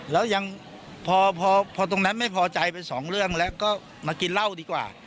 แล้วยังพอพอตรงนั้นไม่พอใจไปสองเรื่องแล้วก็มากินเหล้าดีกว่า